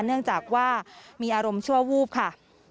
เนื่องจากว่ามีอารมณ์ชั่ววูบค่ะ